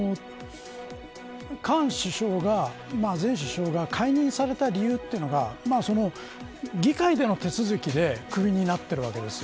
カーン前首相が解任された理由というのが議会での手続きでクビになっているわけです。